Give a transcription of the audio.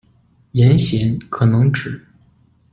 阎显可能指：